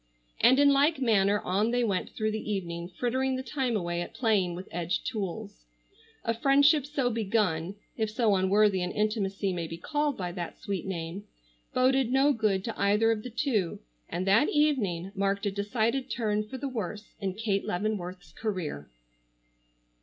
And in like manner on they went through the evening, frittering the time away at playing with edged tools. A friendship so begun—if so unworthy an intimacy may be called by that sweet name—boded no good to either of the two, and that evening marked a decided turn for the worse in Kate Leavenworth's career.